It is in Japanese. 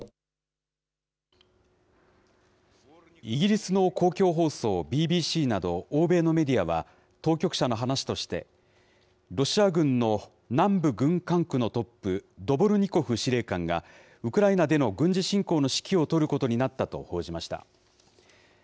イギリスの公共放送ＢＢＣなど欧米のメディアは、当局者の話として、ロシア軍の南部軍管区のトップ、ドボルニコフ司令官が、ウクライナでの軍事侵攻の指揮を執ることになったと報じました。